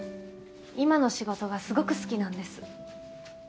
今の仕事がすごく好きなんです。